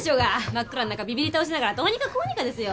真っ暗ん中ビビり倒しながらどうにかこうにかですよ。